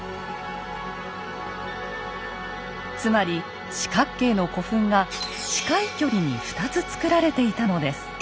つまり四角形の古墳が近い距離に２つつくられていたのです。